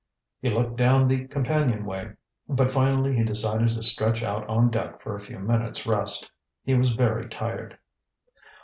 He looked down the companionway, but finally he decided to stretch out on deck for a few minutes' rest. He was very tired.